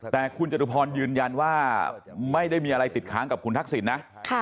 แต่คุณจตุพรยืนยันว่าไม่ได้มีอะไรติดค้างกับคุณทักษิณนะ